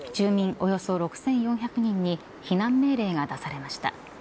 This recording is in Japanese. およそ６４００人に避難命令が出されました。